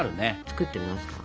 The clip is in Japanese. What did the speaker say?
作ってみますか？